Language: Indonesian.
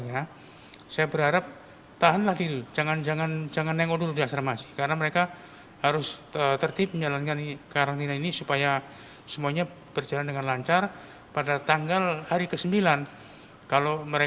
asrama haji surabaya jawa timur